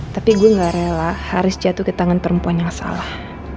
tapi gue gak rela harus jatuh ke tangan perempuan yang salah